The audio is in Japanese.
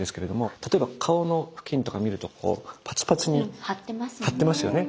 例えば顔の付近とか見るとパツパツに張ってますよね。